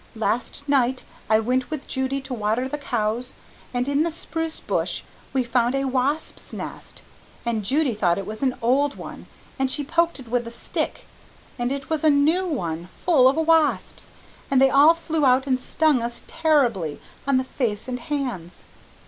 Last night I went with Judy to water the cows and in the spruce bush we found a WASPS' NEST and Judy thought it was AN OLD ONE and she POKED IT WITH A STICK. And it was a NEW ONE, full of wasps, and they all flew out and STUNG US TERRIBLY, on the face and hands.